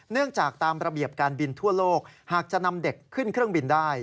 จากตามระเบียบการบินทั่วโลกหากจะนำเด็กขึ้นเครื่องบินได้